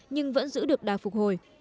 nhưng vẫn giữ được đà phục hồi